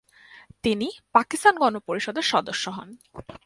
তিনি পাকিস্তান গণপরিষদের সদস্য হন।